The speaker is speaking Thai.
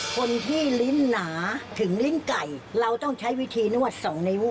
คนที่ลิ้นหนาถึงลิ้นไก่เราต้องใช้วิธีนวดสองนิ้ว